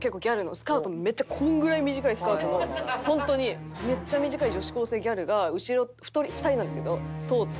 スカートもめっちゃこのぐらい短いスカートのホントにめっちゃ短い女子高生ギャルが後ろ２人なんですけど通って。